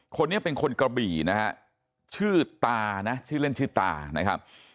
คนนี้เป็นคนกระบี่นะฮะชื่อตานะชื่อเล่นชื่อตานะครับ